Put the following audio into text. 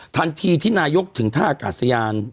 ทันทีที่นายกถึงท่าอากาศยาน